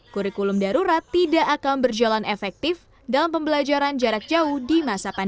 kurikulum darurat tidak akan berjalan efektif dalam pembelajaran jarak jauh di masa pandemi